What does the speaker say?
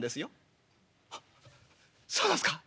「あっそうなんすか！」。